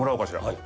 はい。